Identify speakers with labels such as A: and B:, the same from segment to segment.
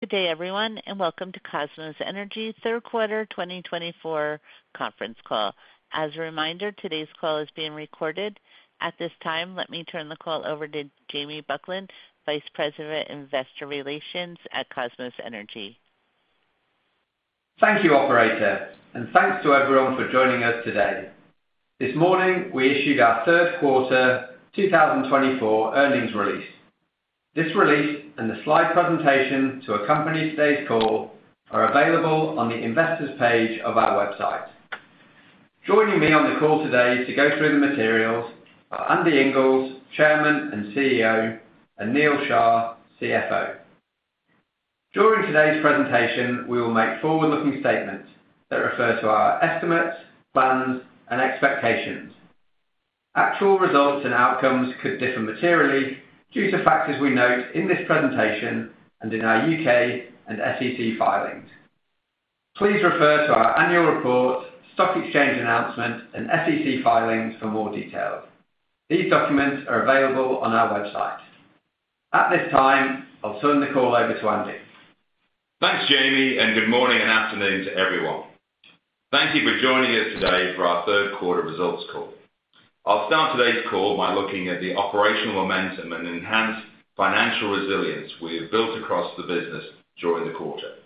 A: Good day, everyone, and welcome to Kosmos Energy's third quarter 2024 conference call. As a reminder, today's call is being recorded. At this time, let me turn the call over to Jamie Buckland, Vice President of Investor Relations at Kosmos Energy.
B: Thank you, Operator, and thanks to everyone for joining us today. This morning, we issued our third quarter 2024 earnings release. This release and the slide presentation to accompany today's call are available on the Investors page of our website. Joining me on the call today to go through the materials are Andy Inglis, Chairman and CEO, and Neal Shah, CFO. During today's presentation, we will make forward-looking statements that refer to our estimates, plans, and expectations. Actual results and outcomes could differ materially due to factors we note in this presentation and in our U.K. and SEC filings. Please refer to our annual report, stock exchange announcement, and SEC filings for more details. These documents are available on our website. At this time, I'll turn the call over to Andy.
C: Thanks, Jamie, and good morning and afternoon to everyone. Thank you for joining us today for our third quarter results call. I'll start today's call by looking at the operational momentum and enhanced financial resilience we have built across the business during the quarter.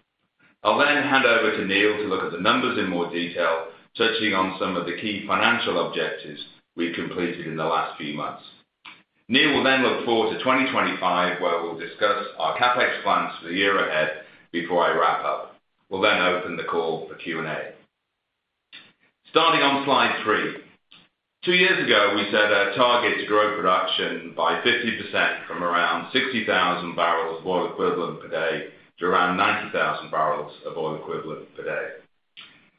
C: I'll then hand over to Neal to look at the numbers in more detail, touching on some of the key financial objectives we've completed in the last few months. Neal will then look forward to 2025, where we'll discuss our CapEx plans for the year ahead before I wrap up. We'll then open the call for Q&A. Starting on slide three, two years ago, we set our target to grow production by 50% from around 60,000 barrels of oil equivalent per day to around 90,000 barrels of oil equivalent per day.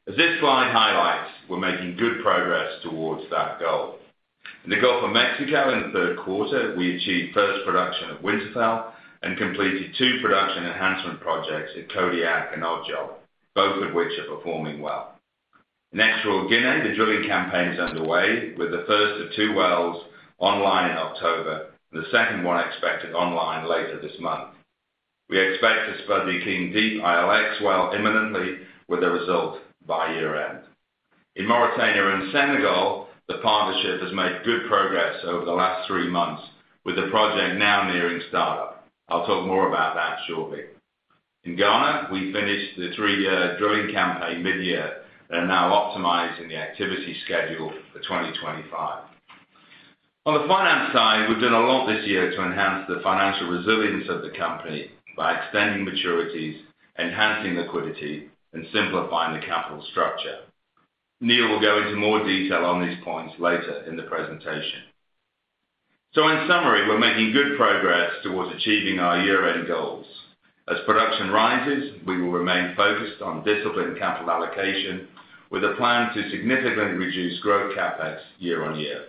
C: As this slide highlights, we're making good progress towards that goal. In the Gulf of Mexico, in the third quarter, we achieved first production of Winterfell and completed two production enhancement projects at Kodiak and Odd Job, both of which are performing well. In Equatorial Guinea, the drilling campaign is underway, with the first of two wells online in October and the second one expected online later this month. We expect to spud Akeng Deep ILX well imminently, with a result by year-end. In Mauritania and Senegal, the partnership has made good progress over the last three months, with the project now nearing startup. I'll talk more about that shortly. In Ghana, we finished the three-year drilling campaign mid-year and are now optimizing the activity schedule for 2025. On the finance side, we've done a lot this year to enhance the financial resilience of the company by extending maturities, enhancing liquidity, and simplifying the capital structure. Neal will go into more detail on these points later in the presentation. So, in summary, we're making good progress towards achieving our year-end goals. As production rises, we will remain focused on disciplined capital allocation, with a plan to significantly reduce growth CapEx year-on-year.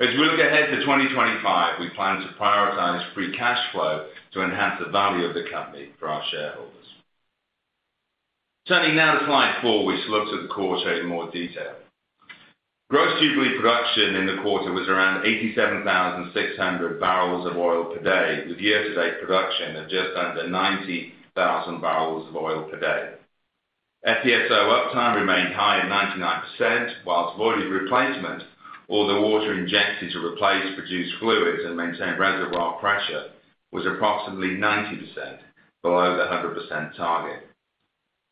C: As we look ahead to 2025, we plan to prioritize free cash flow to enhance the value of the company for our shareholders. Turning now to slide four, which looks at the quarter in more detail. Gross daily production in the quarter was around 87,600 barrels of oil per day, with yesterday's production of just under 90,000 barrels of oil per day. FPSO uptime remained high at 99%, while voidage replacement, or the water injected to replace produced fluids and maintain reservoir pressure, was approximately 90%, below the 100% target.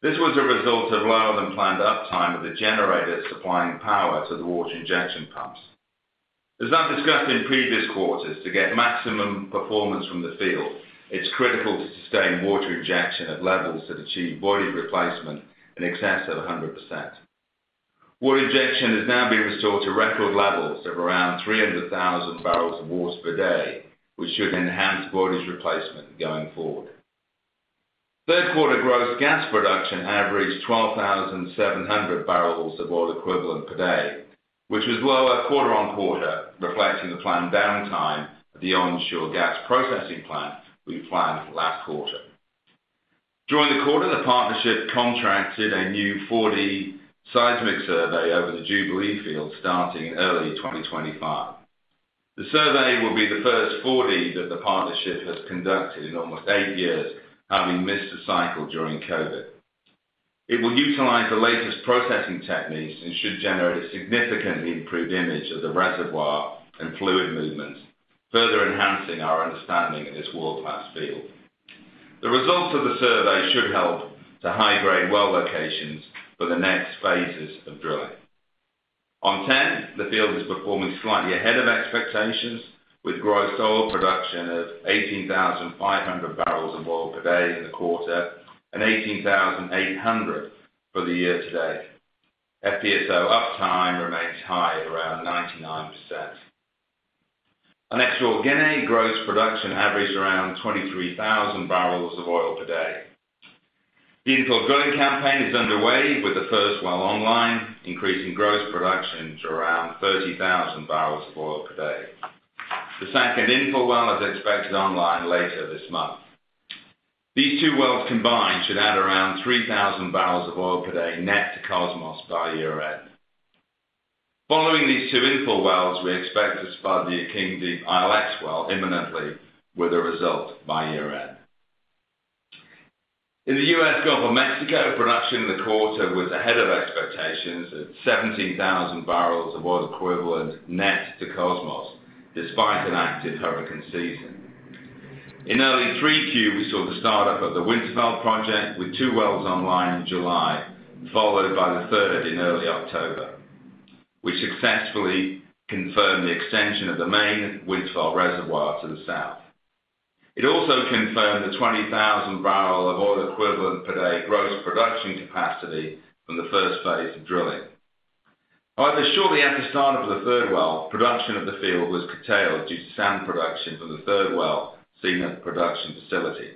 C: This was a result of lower than planned uptime of the generators supplying power to the water injection pumps. As I've discussed in previous quarters, to get maximum performance from the field, it's critical to sustain water injection at levels that achieve voidage replacement in excess of 100%. Water injection has now been restored to record levels of around 300,000 barrels of water per day, which should enhance voidage replacement going forward. Third quarter gross gas production averaged 12,700 barrels of oil equivalent per day, which was lower quarter on quarter, reflecting the planned downtime of the Onshore Gas Processing Plant we planned last quarter. During the quarter, the partnership contracted a new 4D seismic survey over the Jubilee field starting in early 2025. The survey will be the first 4D that the partnership has conducted in almost eight years, having missed the cycle during COVID. It will utilize the latest processing techniques and should generate a significantly improved image of the reservoir and fluid movements, further enhancing our understanding of this world-class field. The results of the survey should help to high-grade well locations for the next phases of drilling. On TEN, the field is performing slightly ahead of expectations, with gross oil production of 18,500 barrels of oil per day in the quarter and 18,800 for the year-to-date. FPSO uptime remains high at around 99%. On Tiberius, gross production averaged around 23,000 barrels of oil per day. The infill drilling campaign is underway, with the first well online, increasing gross production to around 30,000 barrels of oil per day. The second infill well is expected online later this month. These two wells combined should add around 3,000 barrels of oil per day net to Kosmos by year-end. Following these two infill wells, we expect to study Akeng Deep ILX well imminently, with a result by year-end. In the U.S. Gulf of Mexico, production in the quarter was ahead of expectations at 17,000 barrels of oil equivalent net to Kosmos, despite an active hurricane season. In early 3Q, we saw the startup of the Winterfell project with two wells online in July, followed by the third in early October, which successfully confirmed the extension of the main Winterfell reservoir to the south. It also confirmed the 20,000 barrels of oil equivalent per day gross production capacity from the first phase of drilling. However, shortly after startup of the third well, production of the field was curtailed due to sand production from the third well seen at the production facility.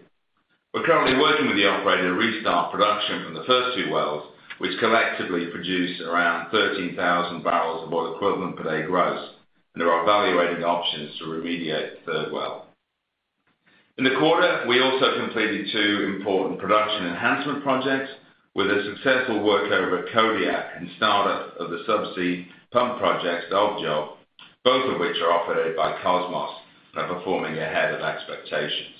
C: We're currently working with the operator to restart production from the first two wells, which collectively produced around 13,000 barrels of oil equivalent per day gross, and they are evaluating options to remediate the third well. In the quarter, we also completed two important production enhancement projects with a successful workover at Kodiak and startup of the subsea pump project at Odd Job, both of which are operated by Kosmos and are performing ahead of expectations.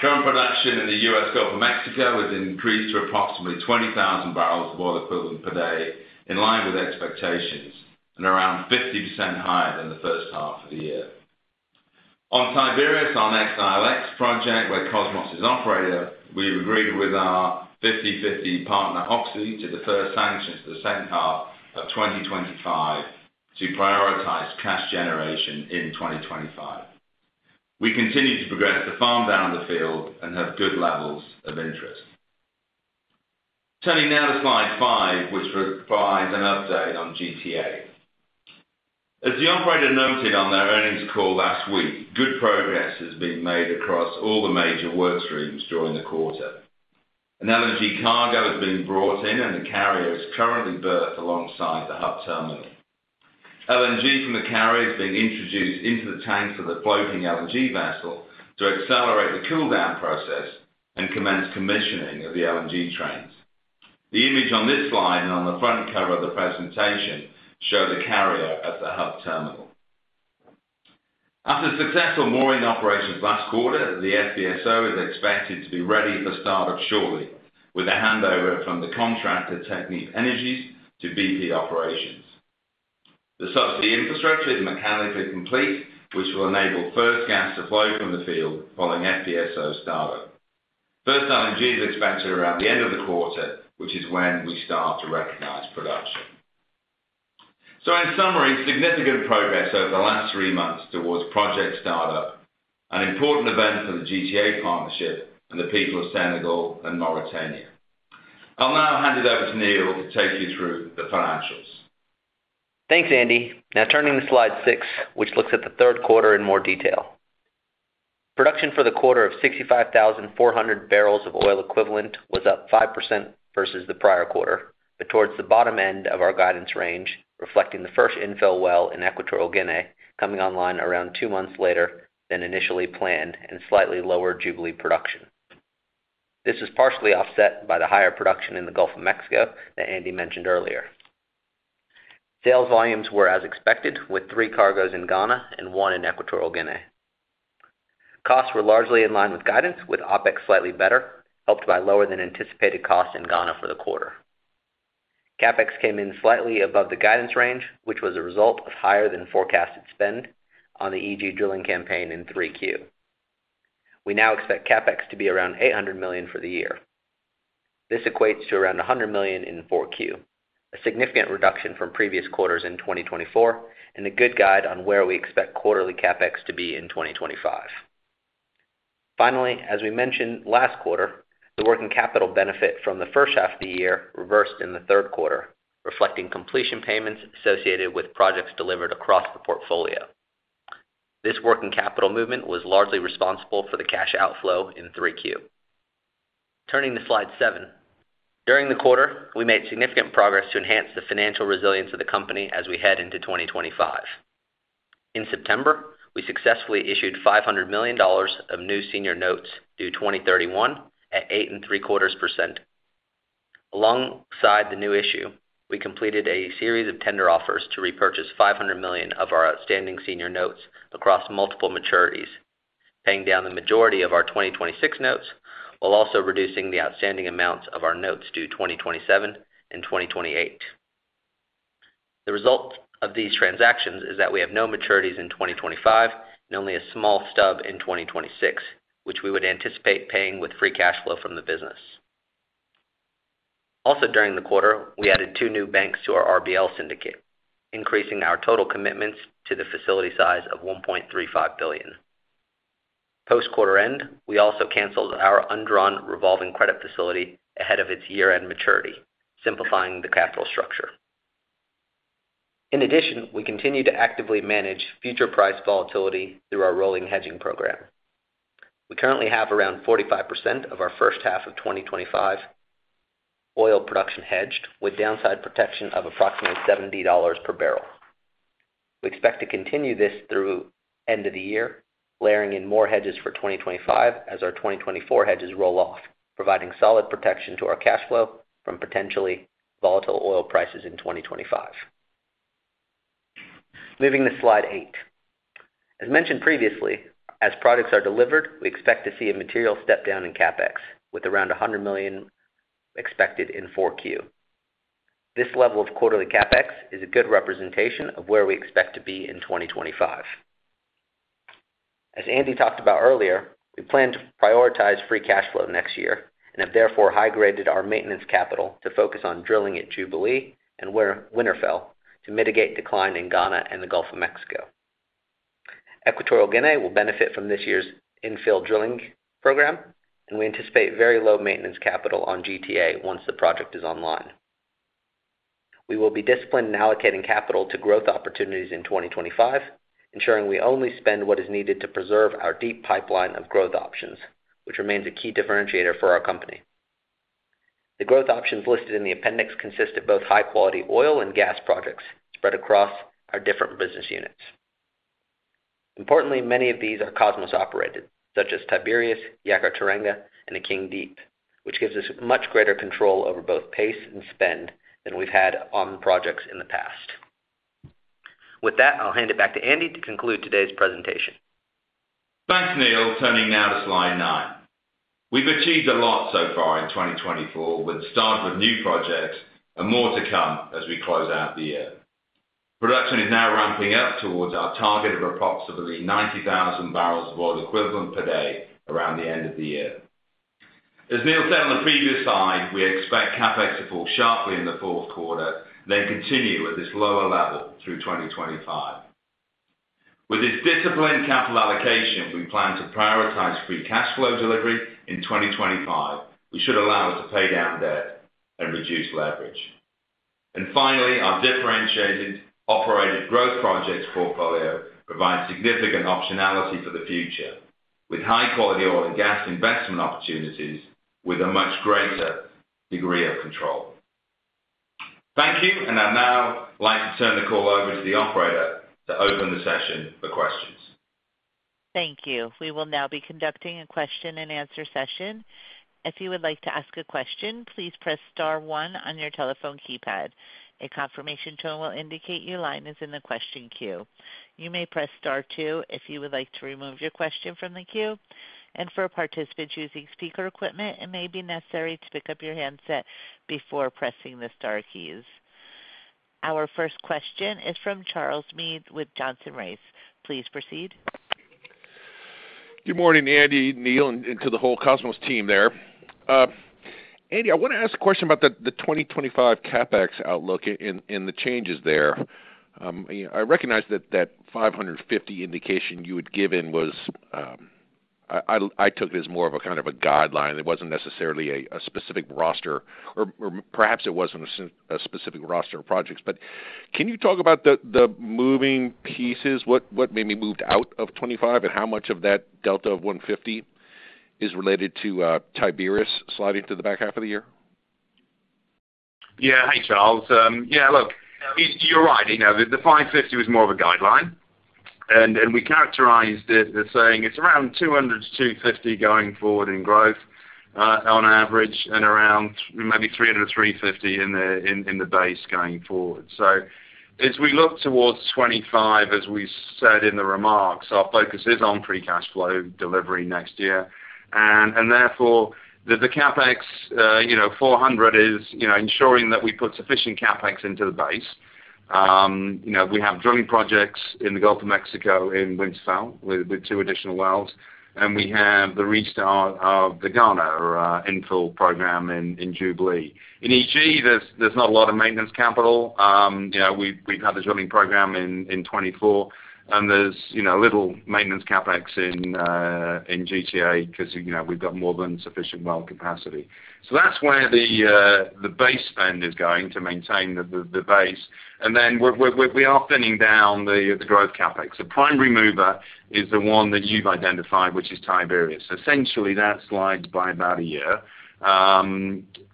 C: Current production in the U.S. Gulf of Mexico has increased to approximately 20,000 barrels of oil equivalent per day, in line with expectations, and around 50% higher than the first half of the year. On Tiberius, our next ILX project, where Kosmos is operator, we've agreed with our 50/50 partner, Oxy, to defer sanctions to the second half of 2025 to prioritize cash generation in 2025. We continue to progress the farm down the field and have good levels of interest. Turning now to slide five, which provides an update on GTA. As the operator noted on their earnings call last week, good progress has been made across all the major work streams during the quarter. An LNG cargo has been brought in, and the carrier is currently berthed alongside the hub terminal. LNG from the carrier is being introduced into the tanks of the floating LNG vessel to accelerate the cooldown process and commence commissioning of the LNG trains. The image on this slide and on the front cover of the presentation show the carrier at the hub terminal. After successful mooring operations last quarter, the FPSO is expected to be ready for startup shortly, with a handover from the contractor, Technip Energies, to BP Operations. The subsea infrastructure is mechanically complete, which will enable first gas to flow from the field following FPSO startup. First LNG is expected around the end of the quarter, which is when we start to recognize production. So, in summary, significant progress over the last three months towards project startup, an important event for the GTA partnership and the people of Senegal and Mauritania. I'll now hand it over to Neal to take you through the financials.
D: Thanks, Andy. Now turning to slide six, which looks at the third quarter in more detail. Production for the quarter of 65,400 barrels of oil equivalent was up 5% versus the prior quarter, but towards the bottom end of our guidance range, reflecting the first infill well in Equatorial Guinea coming online around two months later than initially planned and slightly lower Jubilee production. This was partially offset by the higher production in the Gulf of Mexico that Andy mentioned earlier. Sales volumes were as expected, with three cargoes in Ghana and one in Equatorial Guinea. Costs were largely in line with guidance, with OpEx slightly better, helped by lower than anticipated costs in Ghana for the quarter. CapEx came in slightly above the guidance range, which was a result of higher than forecasted spend on the EG drilling campaign in 3Q. We now expect CapEx to be around $800 million for the year. This equates to around $100 million in Q4, a significant reduction from previous quarters in 2024 and a good guide on where we expect quarterly CapEx to be in 2025. Finally, as we mentioned last quarter, the working capital benefit from the first half of the year reversed in the third quarter, reflecting completion payments associated with projects delivered across the portfolio. This working capital movement was largely responsible for the cash outflow in Q3. Turning to slide seven, during the quarter, we made significant progress to enhance the financial resilience of the company as we head into 2025. In September, we successfully issued $500 million of new Senior Notes due 2031 at 8.75%. Alongside the new issue, we completed a series of tender offers to repurchase $500 million of our outstanding Senior Notes across multiple maturities, paying down the majority of our 2026 notes while also reducing the outstanding amounts of our notes due 2027 and 2028. The result of these transactions is that we have no maturities in 2025 and only a small stub in 2026, which we would anticipate paying with free cash flow from the business. Also, during the quarter, we added two new banks to our RBL syndicate, increasing our total commitments to the facility size of $1.35 billion. Post quarter end, we also canceled our undrawn revolving credit facility ahead of its year-end maturity, simplifying the capital structure. In addition, we continue to actively manage future price volatility through our rolling hedging program. We currently have around 45% of our first half of 2025 oil production hedged, with downside protection of approximately $70 per barrel. We expect to continue this through end of the year, layering in more hedges for 2025 as our 2024 hedges roll off, providing solid protection to our cash flow from potentially volatile oil prices in 2025. Moving to slide eight. As mentioned previously, as projects are delivered, we expect to see a material step down in CapEx, with around $100 million expected in Q4. This level of quarterly CapEx is a good representation of where we expect to be in 2025. As Andy talked about earlier, we plan to prioritize free cash flow next year and have therefore high-graded our maintenance capital to focus on drilling at Jubilee and Winterfell to mitigate decline in Ghana and the Gulf of Mexico. Equatorial Guinea will benefit from this year's infill drilling program, and we anticipate very low maintenance capital on GTA once the project is online. We will be disciplined in allocating capital to growth opportunities in 2025, ensuring we only spend what is needed to preserve our deep pipeline of growth options, which remains a key differentiator for our company. The growth options listed in the appendix consist of both high-quality oil and gas projects spread across our different business units. Importantly, many of these are Kosmos operated, such as Tiberius, Yakaar-Teranga, and the Akeng Deep, which gives us much greater control over both pace and spend than we've had on projects in the past. With that, I'll hand it back to Andy to conclude today's presentation.
C: Thanks, Neal. Turning now to slide nine. We've achieved a lot so far in 2024, with startup of new projects and more to come as we close out the year. Production is now ramping up towards our target of approximately 90,000 barrels of oil equivalent per day around the end of the year. As Neal said on the previous slide, we expect CapEx to fall sharply in the fourth quarter, then continue at this lower level through 2025. With this disciplined capital allocation, we plan to prioritize free cash flow delivery in 2025, which should allow us to pay down debt and reduce leverage. And finally, our differentiated operated growth projects portfolio provides significant optionality for the future, with high-quality oil and gas investment opportunities with a much greater degree of control. Thank you, and I'd now like to turn the call over to the operator to open the session for questions.
A: Thank you. We will now be conducting a question-and-answer session. If you would like to ask a question, please press star one on your telephone keypad. A confirmation tone will indicate your line is in the question queue. You may press star two if you would like to remove your question from the queue. And for participants using speaker equipment, it may be necessary to pick up your handset before pressing the star keys. Our first question is from Charles Meade with Johnson Rice. Please proceed.
E: Good morning, Andy, Neal, and to the whole Kosmos team there. Andy, I want to ask a question about the 2025 CapEx outlook and the changes there. I recognize that that $550 indication you had given was I took it as more of a kind of a guideline. It wasn't necessarily a specific roster, or perhaps it wasn't a specific roster of projects. But can you talk about the moving pieces? What maybe moved out of 2025 and how much of that delta of $150 is related to Tiberius sliding to the back half of the year?
C: Yeah. Hey, Charles. Yeah, look, you're right. The 550 was more of a guideline. And we characterized it as saying it's around 200-250 going forward in growth on average and around maybe 300-350 in the base going forward. So as we look towards 2025, as we said in the remarks, our focus is on free cash flow delivery next year. And therefore, the CapEx 400 is ensuring that we put sufficient CapEx into the base. We have drilling projects in the Gulf of Mexico in Winterfell with two additional wells. And we have the restart of the Ghana infill program in Jubilee. In EG, there's not a lot of maintenance capital. We've had the drilling program in 2024, and there's little maintenance CapEx in GTA because we've got more than sufficient well capacity. So that's where the base spend is going to maintain the base. And then we are thinning down the growth CapEx. The primary mover is the one that you've identified, which is Tiberius. Essentially, that slides by about a year.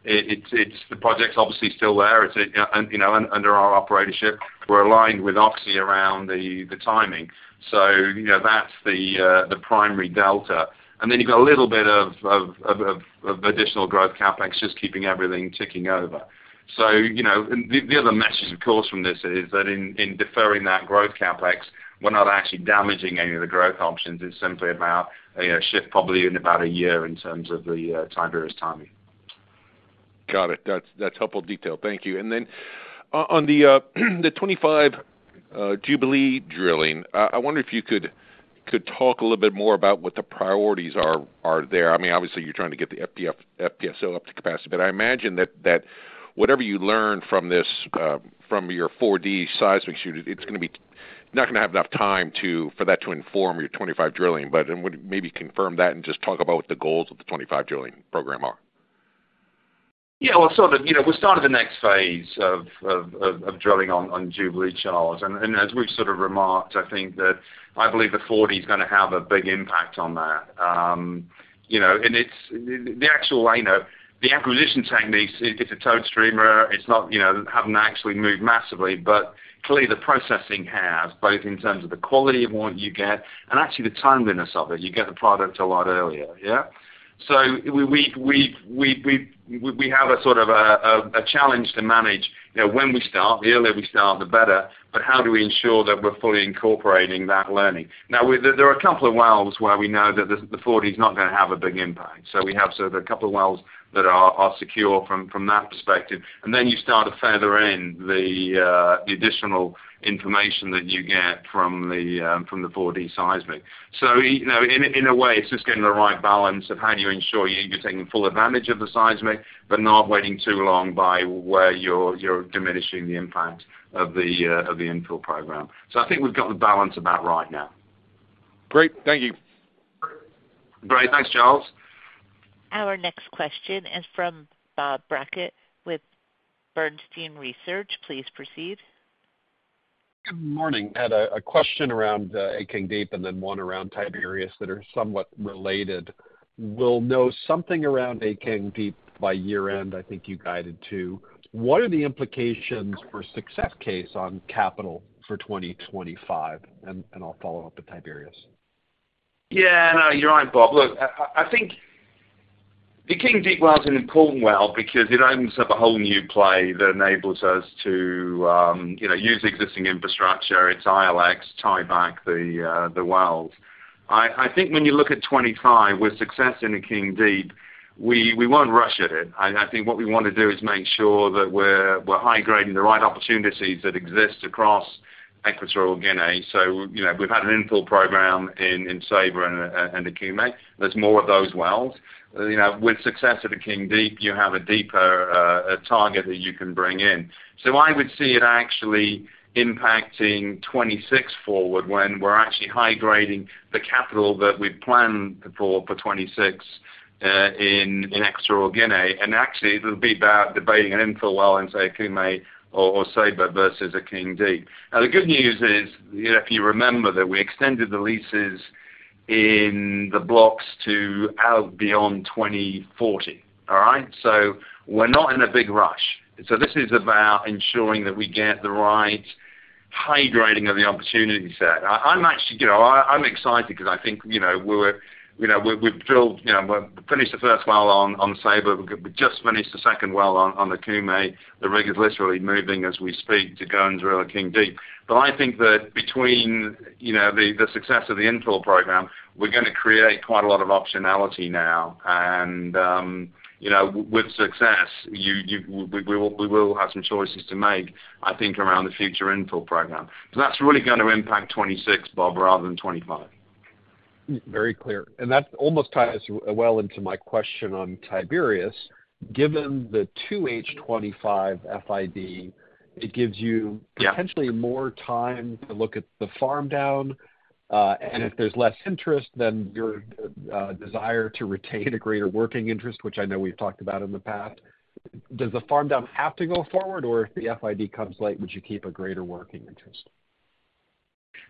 C: The project's obviously still there under our operatorship. We're aligned with Oxy around the timing. So that's the primary delta. And then you've got a little bit of additional growth CapEx just keeping everything ticking over. So the other message, of course, from this is that in deferring that growth CapEx, we're not actually damaging any of the growth options. It's simply about a shift probably in about a year in terms of the Tiberius timing.
E: Got it. That's helpful detail. Thank you. And then on the 2025 Jubilee drilling, I wonder if you could talk a little bit more about what the priorities are there. I mean, obviously, you're trying to get the FPSO up to capacity, but I imagine that whatever you learn from your 4D seismic shoot, it's not going to have enough time for that to inform your 2025 drilling. But maybe confirm that and just talk about what the goals of the 2025 drilling program are.
C: Yeah. Well, sort of, we started the next phase of drilling on Jubilee, Charles. And as we've sort of remarked, I think that I believe the 4D is going to have a big impact on that. And the actual acquisition techniques, it's a towed streamer. It's not having to actually move massively. But clearly, the processing has, both in terms of the quality of what you get and actually the timeliness of it. You get the product a lot earlier, yeah? So we have a sort of a challenge to manage when we start. The earlier we start, the better. But how do we ensure that we're fully incorporating that learning? Now, there are a couple of wells where we know that the 4D is not going to have a big impact. So we have sort of a couple of wells that are secure from that perspective. Then you start to feather in the additional information that you get from the 4D seismic. In a way, it's just getting the right balance of how do you ensure you're taking full advantage of the seismic but not waiting too long by where you're diminishing the impact of the infill program. I think we've got the balance about right now.
E: Great. Thank you.
C: Great. Thanks, Charles.
A: Our next question is from Bob Brackett with Bernstein Research. Please proceed.
F: Good morning. I had a question around Akeng Deep and then one around Tiberius that are somewhat related. We'll know something around Akeng Deep by year-end. I think you guided too. What are the implications for success case on capital for 2025, and I'll follow up with Tiberius.
C: Yeah. No, you're right, Bob. Look, I think Akeng Deep well is an important well because it opens up a whole new play that enables us to use existing infrastructure. It's ILX, tie back the wells. I think when you look at 2025, with success in Akeng Deep, we won't rush at it. I think what we want to do is make sure that we're high-grading the right opportunities that exist across Equatorial Guinea. So we've had an infill program in Tiberius and Akeng. There's more of those wells. With success at Akeng Deep, you have a deeper target that you can bring in. So I would see it actually impacting 2026 forward when we're actually high-grading the capital that we've planned for 2026 in Equatorial Guinea. And actually, it'll be about debating an infill well into Akeng or Tiberius versus Akeng Deep. Now, the good news is, if you remember, that we extended the leases in the blocks to out beyond 2040, all right? So we're not in a big rush. So this is about ensuring that we get the right high-grading of the opportunity set. I'm excited because I think we've drilled. We finished the first well on Tiberius. We just finished the second well on Akeng. The rig is literally moving as we speak to go and drill Akeng Deep. But I think that between the success of the infill program, we're going to create quite a lot of optionality now. And with success, we will have some choices to make, I think, around the future infill program. So that's really going to impact 2026, Bob, rather than 2025.
F: Very clear. And that almost ties well into my question on Tiberius. Given the 2H 2025 FID, it gives you potentially more time to look at the farm down. And if there's less interest, then your desire to retain a greater working interest, which I know we've talked about in the past, does the farm down have to go forward? Or if the FID comes late, would you keep a greater working interest?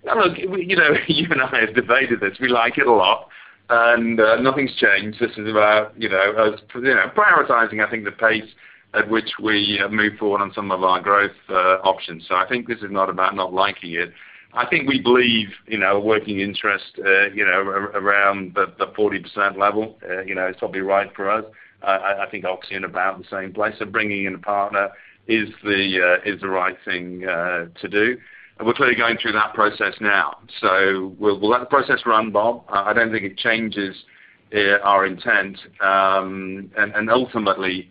C: Look, you and I have debated this. We like it a lot. And nothing's changed. This is about us prioritizing, I think, the pace at which we move forward on some of our growth options. So I think this is not about not liking it. I think we believe a working interest around the 40% level is probably right for us. I think Oxy in about the same place of bringing in a partner is the right thing to do. And we're clearly going through that process now. So we'll let the process run, Bob. I don't think it changes our intent. And ultimately,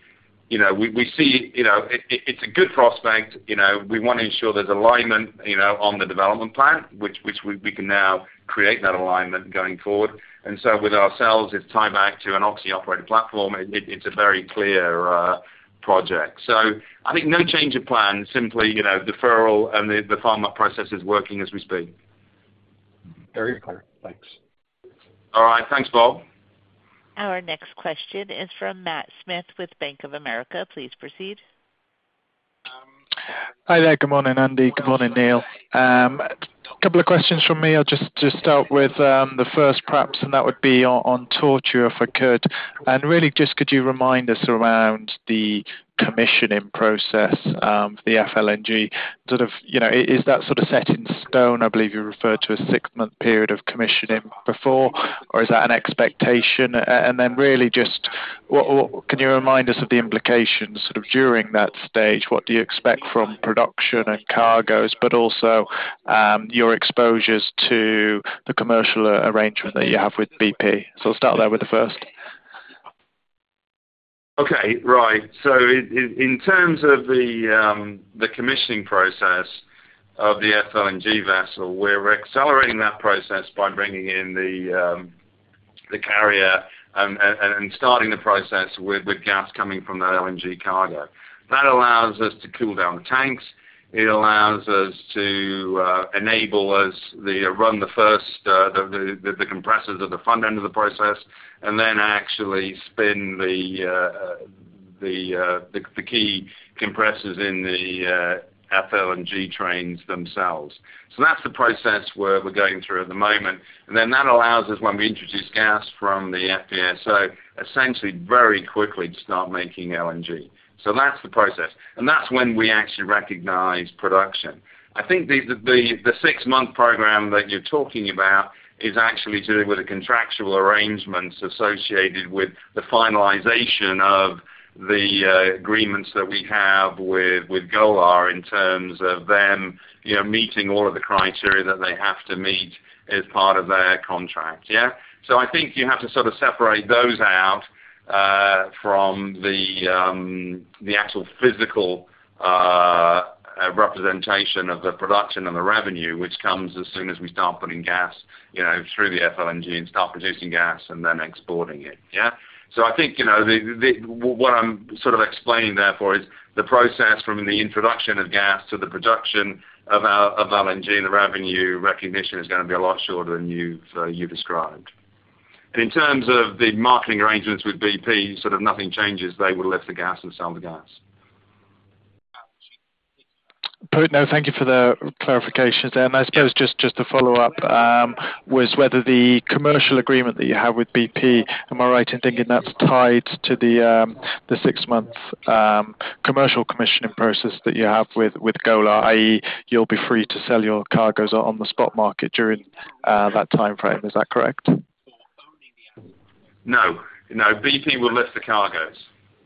C: we see it's a good prospect. We want to ensure there's alignment on the development plan, which we can now create that alignment going forward. And so with ourselves, it's tie back to an Oxy-operated platform. It's a very clear project. So I think no change of plan, simply deferral, and the farm up process is working as we speak.
F: Very clear. Thanks.
C: All right. Thanks, Bob.
A: Our next question is from Matt Smith with Bank of America. Please proceed.
G: Hi there. Good morning, Andy. Good morning, Neal. A couple of questions from me. I'll just start with the first, perhaps, and that would be on Tortue, if I could. And really, just could you remind us around the commissioning process of the FLNG? Sort of is that sort of set in stone? I believe you referred to a six-month period of commissioning before, or is that an expectation? And then really, just can you remind us of the implications sort of during that stage? What do you expect from production and cargoes, but also your exposures to the commercial arrangement that you have with BP? So I'll start there with the first.
C: Okay. Right. So in terms of the commissioning process of the FLNG vessel, we're accelerating that process by bringing in the carrier and starting the process with gas coming from the LNG cargo. That allows us to cool down the tanks. It allows us to enable us to run the first, the compressors at the front end of the process, and then actually spin the key compressors in the FLNG trains themselves. So that's the process we're going through at the moment. And then that allows us, when we introduce gas from the FPSO, essentially very quickly to start making LNG. So that's the process. And that's when we actually recognize production. I think the six-month program that you're talking about is actually to do with the contractual arrangements associated with the finalization of the agreements that we have with Golar in terms of them meeting all of the criteria that they have to meet as part of their contracts, yeah? So I think you have to sort of separate those out from the actual physical representation of the production and the revenue, which comes as soon as we start putting gas through the FLNG and start producing gas and then exporting it, yeah? So I think what I'm sort of explaining therefore is the process from the introduction of gas to the production of LNG and the revenue recognition is going to be a lot shorter than you've described. And in terms of the marketing arrangements with BP, sort of nothing changes. They will lift the gas and sell the gas.
G: No, thank you for the clarifications there. And I suppose just to follow up was whether the commercial agreement that you have with BP, am I right in thinking that's tied to the six-month commercial commissioning process that you have with Golar, i.e., you'll be free to sell your cargoes on the spot market during that time frame? Is that correct?
C: No. No. BP will lift the cargoes.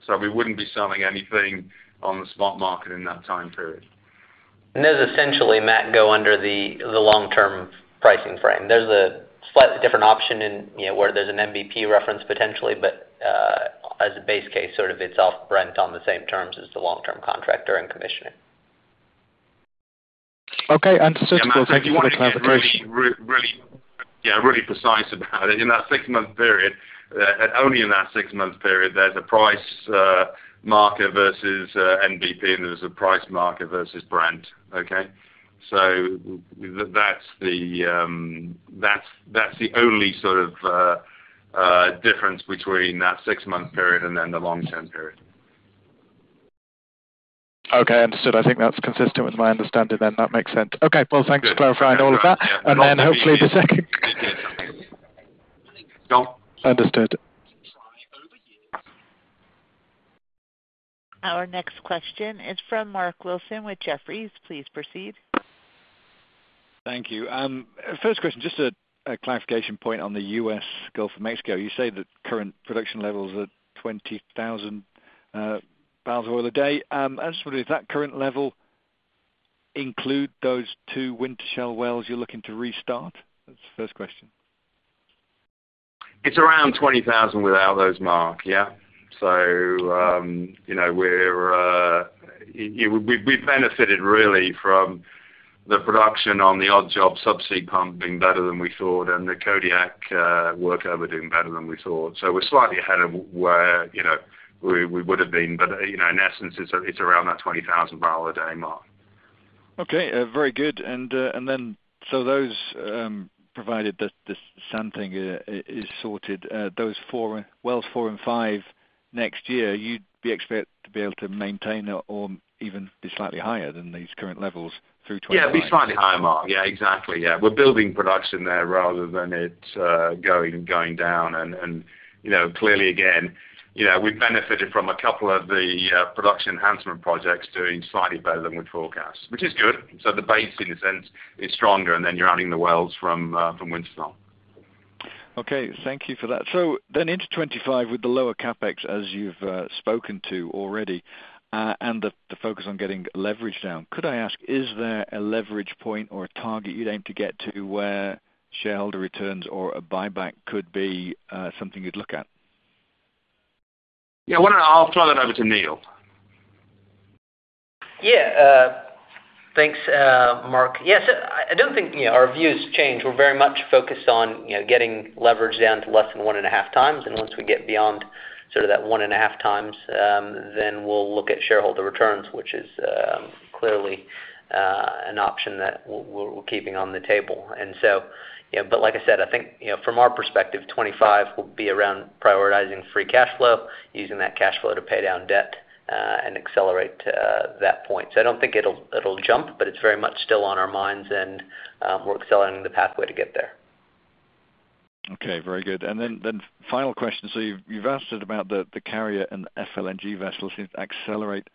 C: So we wouldn't be selling anything on the spot market in that time period.
D: Those essentially go under the long-term pricing frame. There's a slightly different option where there's an NBP reference potentially, but as a base case, sort of it's off Brent on the same terms as the long-term contract during commissioning.
G: Okay. Understood. Thank you for the clarification.
C: Yeah. Really precise about it. In that six-month period, only in that six-month period, there's a price marker versus BP, and there's a price marker versus Brent, okay? So that's the only sort of difference between that six-month period and then the long-term period.
G: Okay. Understood. I think that's consistent with my understanding then. That makes sense. Okay. Well, thanks for clarifying all of that. And then hopefully the second.
C: Done.
G: Understood.
A: Our next question is from Mark Wilson with Jefferies. Please proceed.
H: Thank you. First question, just a clarification point on the U.S. Gulf of Mexico. You say that current production levels are 20,000 barrels of oil a day. I just wondered, does that current level include those two Winterfell wells you're looking to restart? That's the first question.
C: It's around 20,000 without those mark, yeah? So we've benefited really from the production on the Odd Job subsea pump being better than we thought and the Kodiak workover being better than we thought. So we're slightly ahead of where we would have been. But in essence, it's around that 20,000 barrel a day Mark.
H: Okay. Very good. And then so those provided that the sand thing is sorted, those wells four and five next year, you'd be expected to be able to maintain or even be slightly higher than these current levels through 2025?
C: Yeah. It'd be slightly higher, Mark. Yeah. Exactly. Yeah. We're building production there rather than it going down. And clearly, again, we've benefited from a couple of the production enhancement projects doing slightly better than we forecast, which is good. So the base in a sense is stronger, and then you're adding the wells from Winterfell.
H: Okay. Thank you for that. So then into 2025 with the lower CapEx, as you've spoken to already, and the focus on getting leverage down, could I ask, is there a leverage point or a target you'd aim to get to where shareholder returns or a buyback could be something you'd look at?
C: Yeah. I'll throw that over to Neal.
D: Yeah. Thanks, Mark. Yeah. So I don't think our views change. We're very much focused on getting leverage down to less than one and a half times, and once we get beyond sort of that one and a half times, then we'll look at shareholder returns, which is clearly an option that we're keeping on the table, and so but like I said, I think from our perspective, 2025 will be around prioritizing free cash flow, using that cash flow to pay down debt and accelerate that point, so I don't think it'll jump, but it's very much still on our minds, and we're accelerating the pathway to get there.
H: Okay. Very good. And then, final question. So you've asked about the carrier and FLNG vessels to accelerate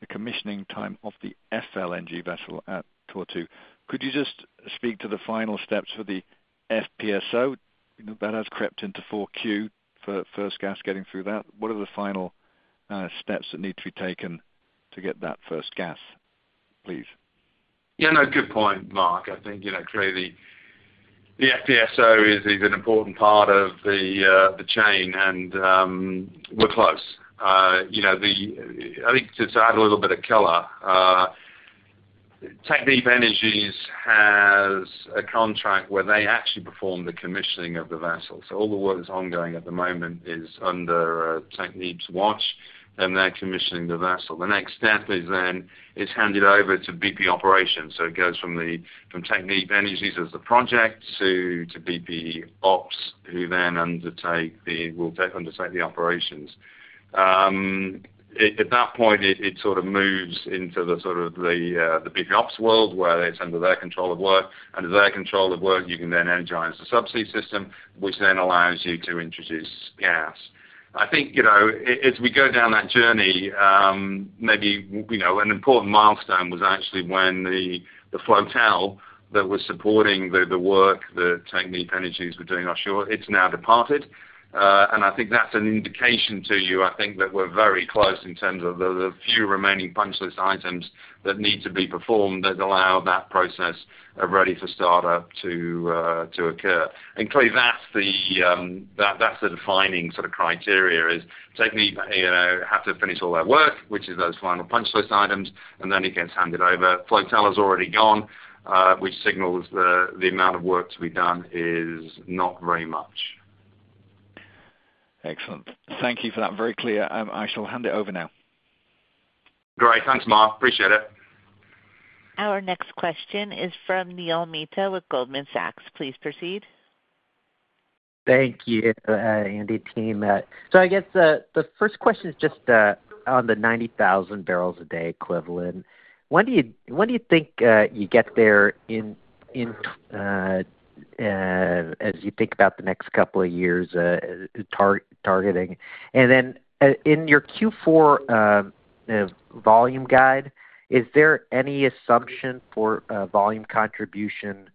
H: the commissioning time of the FLNG vessel at Tortue. Could you just speak to the final steps for the FPSO? That has crept into 4Q for first gas, getting through that. What are the final steps that need to be taken to get that first gas, please?
C: Yeah. No, good point, Mark. I think clearly the FPSO is an important part of the chain, and we're close. I think to add a little bit of color, Technip Energies has a contract where they actually perform the commissioning of the vessel. So all the work that's ongoing at the moment is under Technip's watch, and they're commissioning the vessel. The next step is then it's handed over to BP Operations. So it goes from Technip Energies as the project to BP Ops, who then will undertake the operations. At that point, it sort of moves into the sort of the BP Ops world where it's under their control of work. Under their control of work, you can then energize the subsea system, which then allows you to introduce gas. I think as we go down that journey, maybe an important milestone was actually when the flotel that was supporting the work that Technip Energies were doing offshore; it's now departed. And I think that's an indication to you, I think, that we're very close in terms of the few remaining punch list items that need to be performed that allow that process of ready for startup to occur. And clearly, that's the defining sort of criteria is Technip have to finish all their work, which is those final punch list items, and then it gets handed over. Flotel is already gone, which signals the amount of work to be done is not very much.
H: Excellent. Thank you for that. Very clear. I shall hand it over now.
C: Great. Thanks, Mark. Appreciate it.
A: Our next question is from Neil Mehta with Goldman Sachs. Please proceed.
I: Thank you, Andy, team. So I guess the first question is just on the 90,000 barrels a day equivalent. When do you think you get there as you think about the next couple of years targeting? And then in your Q4 volume guide, is there any assumption for volume contribution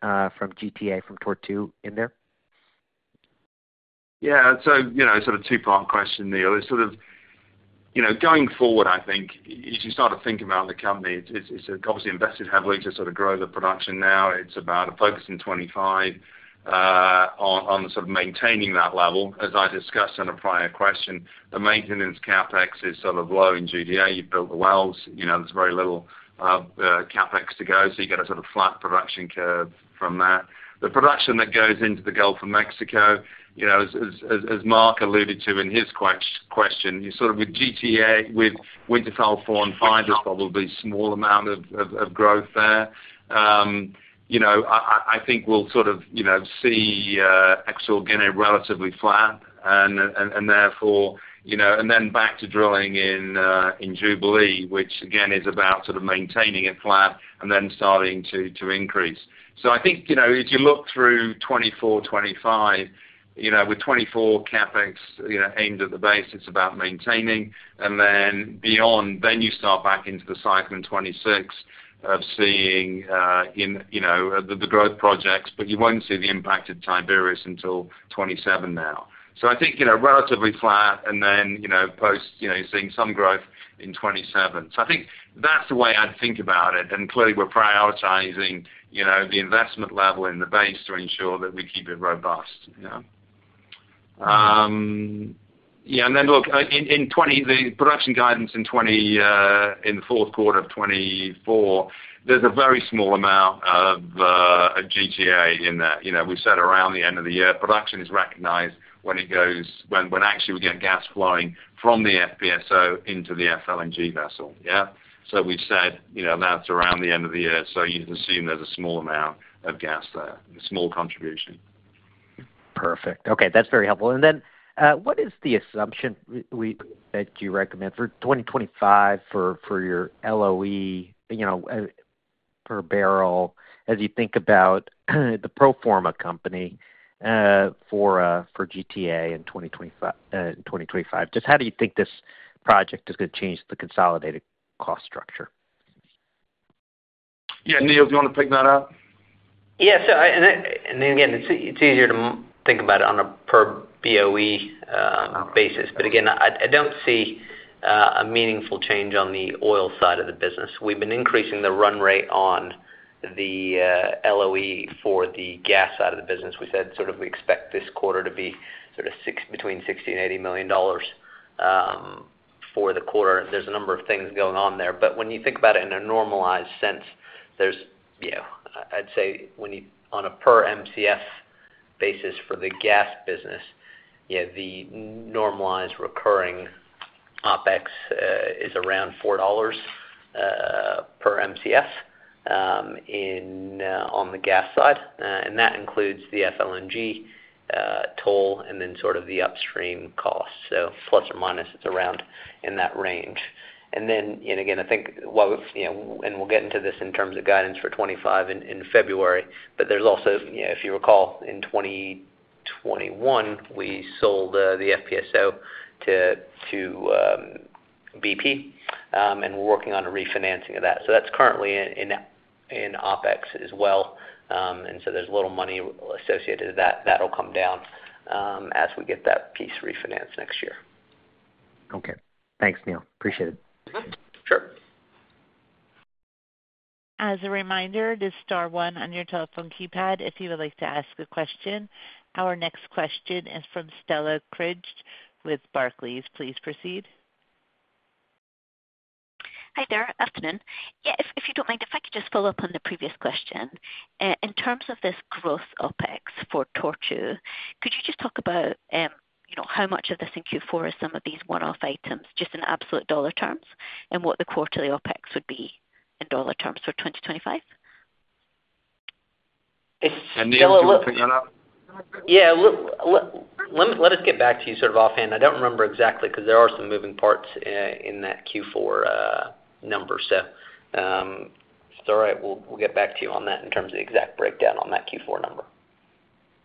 I: from GTA from Tortue in there?
C: Yeah. So sort of two-pronged question, Neal. It's sort of going forward, I think, as you start to think about the company, it's obviously invested heavily to sort of grow the production. Now it's about a focus in 2025 on sort of maintaining that level. As I discussed on a prior question, the maintenance CapEx is sort of low in GTA. You've built the wells. There's very little CapEx to go, so you get a sort of flat production curve from that. The production that goes into the Gulf of Mexico, as Mark alluded to in his question, sort of with GTA with Winterfell four and five, there's probably a small amount of growth there. I think we'll sort of see ex-GOM relatively flat, and therefore and then back to drilling in Jubilee, which again is about sort of maintaining it flat and then starting to increase. So I think as you look through 2024, 2025, with 2024 CapEx aimed at the base, it's about maintaining. And then beyond, then you start back into the cycle in 2026 of seeing the growth projects, but you won't see the impact of Tiberius until 2027 now. So I think relatively flat, and then post, you're seeing some growth in 2027. So I think that's the way I'd think about it. And clearly, we're prioritizing the investment level in the base to ensure that we keep it robust, yeah? Yeah. And then look, the production guidance in the fourth quarter of 2024, there's a very small amount of GTA in there. We said around the end of the year, production is recognized when actually we get gas flowing from the FPSO into the FLNG vessel, yeah? So we've said that's around the end of the year, so you'd assume there's a small amount of gas there, a small contribution.
I: Perfect. Okay. That's very helpful. And then what is the assumption that you recommend for 2025 for your LOE per barrel as you think about the pro forma company for GTA in 2025? Just how do you think this project is going to change the consolidated cost structure?
C: Yeah. Neal, do you want to pick that up?
D: Yeah. So again, it's easier to think about it on a per BOE basis. But again, I don't see a meaningful change on the oil side of the business. We've been increasing the run rate on the LOE for the gas side of the business. We said sort of we expect this quarter to be sort of between $60 million and $80 million for the quarter. There's a number of things going on there. But when you think about it in a normalized sense, I'd say on a per MCF basis for the gas business, yeah, the normalized recurring OpEx is around $4 per MCF on the gas side. And that includes the FLNG toll and then sort of the upstream cost. So plus or minus, it's around in that range. And then again, I think, and we'll get into this in terms of guidance for 2025 in February, but there's also, if you recall, in 2021, we sold the FPSO to BP, and we're working on a refinancing of that. So that's currently in OpEx as well. And so there's a little money associated with that. That'll come down as we get that piece refinanced next year.
I: Okay. Thanks, Neal. Appreciate it.
C: Sure.
A: As a reminder, this is Star One on your telephone keypad if you would like to ask a question. Our next question is from Stella Cridge with Barclays. Please proceed.
J: Hi there. Afternoon. Yeah. If you don't mind, if I could just follow up on the previous question. In terms of this gross OpEx for Tortue, could you just talk about how much of this in Q4 are some of these one-off items, just in absolute dollar terms, and what the quarterly OpEx would be in dollar terms for 2025?
C: Neal, you want to pick that up?
D: Yeah. Let us get back to you sort of offhand. I don't remember exactly because there are some moving parts in that Q4 number. So all right. We'll get back to you on that in terms of the exact breakdown on that Q4 number.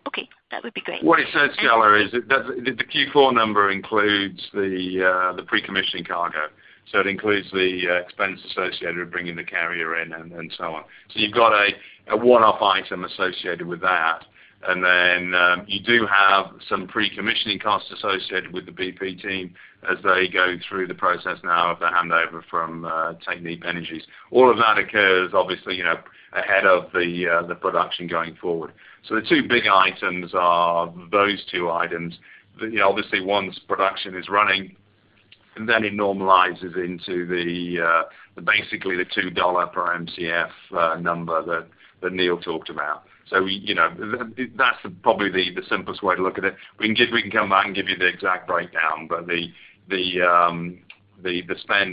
J: Okay. That would be great.
C: What he said, Stella, is the Q4 number includes the pre-commissioning cargo. So it includes the expense associated with bringing the carrier in and so on. So you've got a one-off item associated with that. And then you do have some pre-commissioning costs associated with the BP team as they go through the process now of the handover from Technip Energies. All of that occurs, obviously, ahead of the production going forward. So the two big items are those two items. Obviously, once production is running, then it normalizes into basically the $2 per MCF number that Neal talked about. So that's probably the simplest way to look at it. We can come back and give you the exact breakdown, but the spend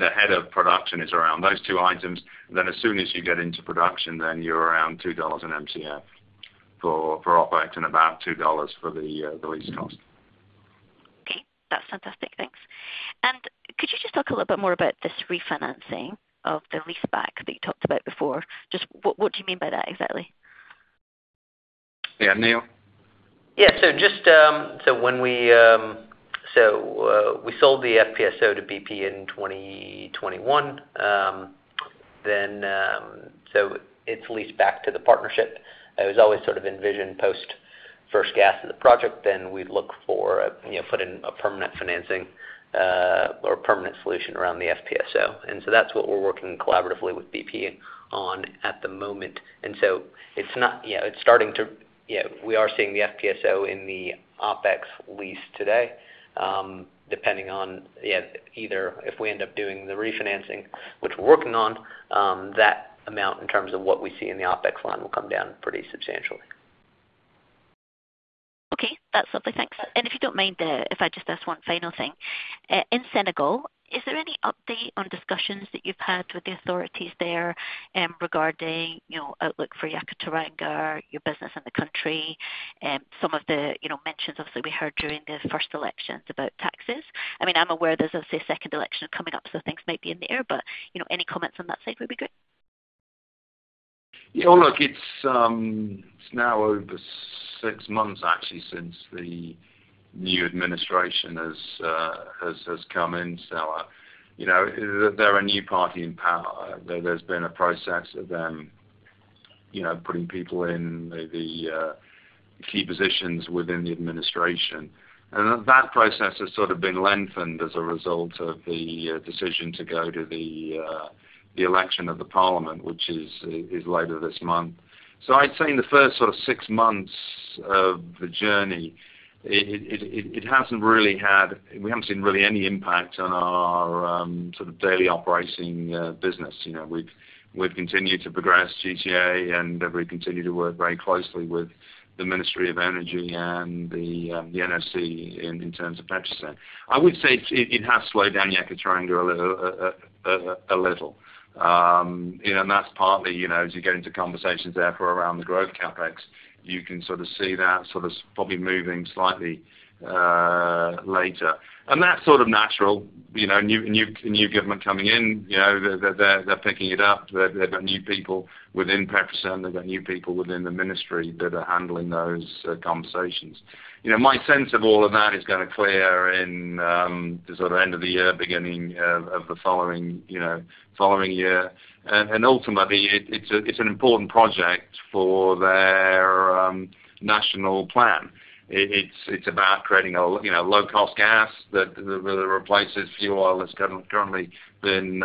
C: ahead of production is around those two items. Then as soon as you get into production, then you're around $2 an MCF for OpEx and about $2 for the lease cost.
J: Okay. That's fantastic. Thanks. And could you just talk a little bit more about this refinancing of the lease back that you talked about before? Just what do you mean by that exactly?
C: Yeah. Neal?
D: Yeah. So when we sold the FPSO to BP in 2021, then it's leased back to the partnership. It was always sort of envisioned post first gas of the project, then we'd look for putting a permanent financing or a permanent solution around the FPSO. And so that's what we're working collaboratively with BP on at the moment. And so it's not. It's starting to. We are seeing the FPSO in the OpEx lease today. Depending on either if we end up doing the refinancing, which we're working on, that amount in terms of what we see in the OpEx line will come down pretty substantially.
J: Okay. That's lovely. Thanks. And if you don't mind, if I just ask one final thing. In Senegal, is there any update on discussions that you've had with the authorities there regarding outlook for Yakaar-Teranga, your business in the country, some of the mentions of what we heard during the first elections about taxes? I mean, I'm aware there's, let's say, a second election coming up, so things may be in the air, but any comments on that side would be good?
C: Yeah. Well, look, it's now over six months, actually, since the new administration has come in. So they're a new party in power. There's been a process of them putting people in the key positions within the administration. And that process has sort of been lengthened as a result of the decision to go to the election of the parliament, which is later this month. So I'd say in the first sort of six months of the journey, we haven't seen really any impact on our sort of daily operating business. We've continued to progress GTA, and we've continued to work very closely with the Ministry of Energy and the NOC in terms of petrol sales. I would say it has slowed down Yakaar-Teranga a little. That's partly as you get into conversations there for around the growth CapEx, you can sort of see that sort of probably moving slightly later. That's sort of natural. New government coming in, they're picking it up. They've got new people within Petrosen. They've got new people within the ministry that are handling those conversations. My sense of all of that is going to clear in the sort of end of the year, beginning of the following year. Ultimately, it's an important project for their national plan. It's about creating a low-cost gas that replaces fuel oil that's currently been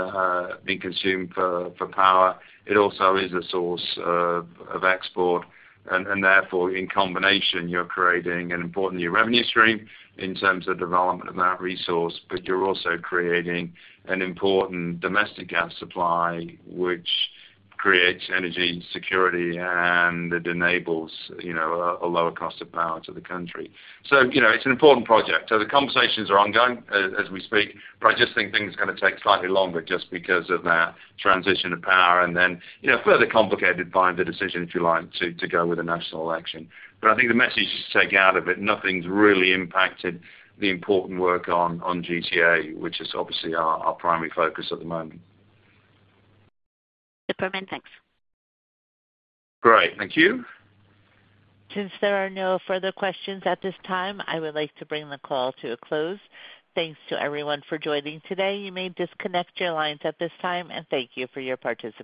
C: consumed for power. It also is a source of export. And therefore, in combination, you're creating an important new revenue stream in terms of development of that resource, but you're also creating an important domestic gas supply, which creates energy security and enables a lower cost of power to the country. So it's an important project. So the conversations are ongoing as we speak, but I just think things are going to take slightly longer just because of that transition of power and then further complicated by the decision, if you like, to go with a national election. But I think the message you should take out of it, nothing's really impacted the important work on GTA, which is obviously our primary focus at the moment.
J: Super. Thanks.
C: Great. Thank you.
A: Since there are no further questions at this time, I would like to bring the call to a close. Thanks to everyone for joining today. You may disconnect your lines at this time, and thank you for your participation.